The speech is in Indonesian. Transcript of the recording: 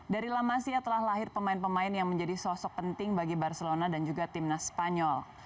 dari lamasia telah lahir pemain pemain yang menjadi sosok penting bagi barcelona dan juga timnas spanyol